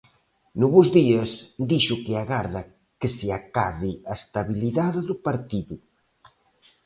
No "Bos días" dixo que agarda que se acade a estabilidade do partido.